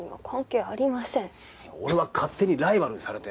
俺は勝手にライバルにされて。